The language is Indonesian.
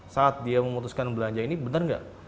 saat dia memutuskan belanja ini benar nggak